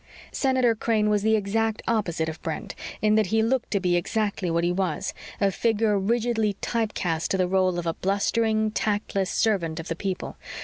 Senator Crane was the exact opposite of Brent, in that he looked to be exactly what he was; a figure rigidly type cast to the role of a blustering, tactless servant of the people.